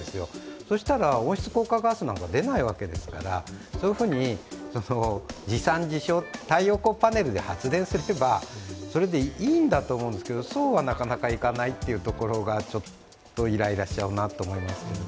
そしたら温室効果ガスなんて出ないわけですからそういうふうに地産地消、太陽光パネルで発電すれば、それでいいと思うんですけど、そうはなかなかいかないところがイライラしちゃいます。